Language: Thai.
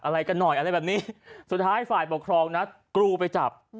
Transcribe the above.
อะไรกันหน่อยอะไรแบบนี้สุดท้ายฝ่ายปกครองนะกรูไปจับ